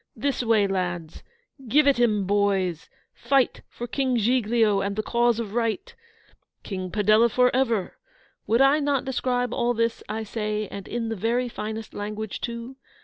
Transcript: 'This way, lads!' 'Give it 'em, boys!' 'Fight for King Giglio, and the cause of right!' 'King Padella for ever!' Would I not describe all this, I say, and in the very finest language too?